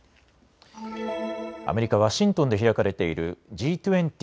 アメリカ・ワシントンで開かれているＧ２０・